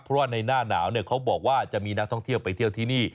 เพราะว่าในหน้าหนาวเขาบอกว่าจะมีนักท่องเที่ยวไปเที่ยวที่นี่